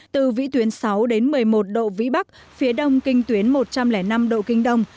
từ vĩ tuyến sáu đến một mươi một độ vĩ bắc phía đông kinh tuyến một trăm linh năm độ kinh đông